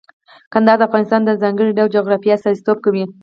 کندهار د افغانستان د ځانګړي ډول جغرافیه استازیتوب کوي.